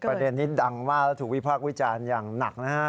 ประเด็นนี้ดังมากและถูกวิพากษ์วิจารณ์อย่างหนักนะฮะ